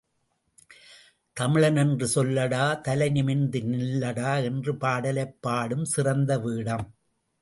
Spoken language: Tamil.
தமிழனென்று சொல்லடா தலை நிமிர்ந்து நில்லடா என்ற பாடலைப் பாடும் சிறந்த வேடம்.